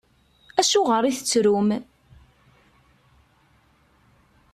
Acuɣeṛ i tettrum?